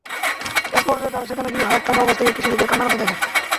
একপর্যায়ে তারা সেখানে গিয়ে হাত কাটা অবস্থায় একটি শিশুকে কান্নারত দেখে।